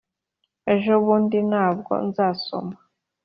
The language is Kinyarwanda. Ejobundi na bwo nzasoma